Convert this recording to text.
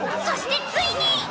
そしてついに。